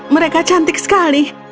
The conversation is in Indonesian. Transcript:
mereka cantik sekali